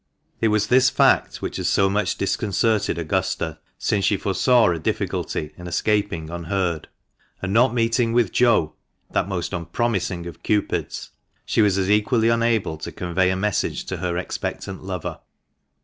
It was this fact which had so much disconcerted Augusta, since she foresaw a difficulty in escaping unheard ; and not meeting with Joe (that most unpromising of Cupids), she was as equally unable to convey a message to her expectant lover.